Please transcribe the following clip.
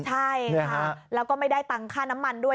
ใช่ค่ะแล้วก็ไม่ได้ตังค่าน้ำมันด้วย